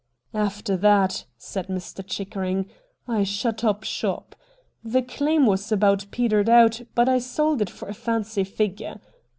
' After that,' said Mr. Chickering, ' I shut up shop. The claim was about petered out, but I sold it for a fancy figure.